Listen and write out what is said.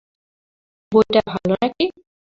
বইটা ভাল নাকি?